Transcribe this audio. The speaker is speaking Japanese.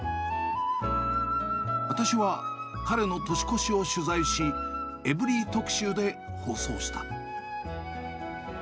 私は彼の年越しを取材し、エブリィ特集で放送した。